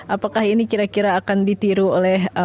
apakah ini kira kira akan ditiru oleh